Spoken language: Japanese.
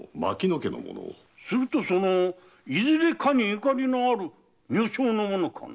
するとそのいずれかに縁のある女性のものかと？